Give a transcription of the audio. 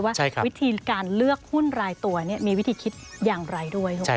ว่าวิธีการเลือกหุ้นรายตัวมีวิธีคิดอย่างไรด้วย